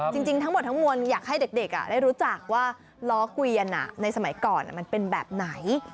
จริงทั้งหมดทั้งมวลอยากให้เด็กได้รู้จักว่าล้อเกวียนในสมัยก่อนมันเป็นแบบไหน